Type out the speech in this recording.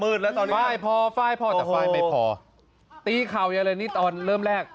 มืดแล้วตอนนี้ฟ้ายพอฟ้ายพอแต่ฟ้ายไม่พอตีเขาอย่างนี้ตอนเริ่มแรก